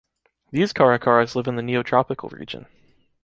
These caracaras live in the neotropical region.